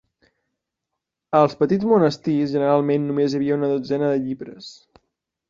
Als petits monestirs, generalment, només hi havia una dotzena de llibres.